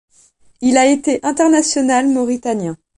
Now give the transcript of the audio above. Il a été international mauritanien.